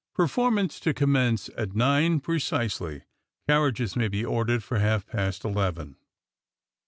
Performance to commence at nine precisely. Carriages may be ordered for half past eleven.